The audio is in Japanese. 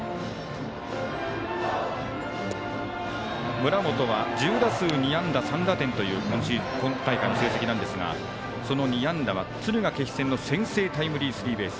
村本は１０打数２安打３打点という今大会の成績なんですがその２安打は敦賀気比戦の先制のタイムリースリーベース。